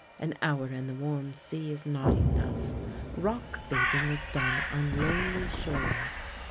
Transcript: An hour in the warm sea is not enough. Rock bathing is done on lonely shores.